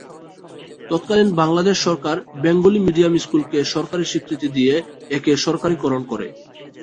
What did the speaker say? তৎকালীন বাংলাদেশ সরকার Bengali medium স্কুলকে সরকারি স্বীকৃতি দিয়ে একে সরকারিকরণ করে।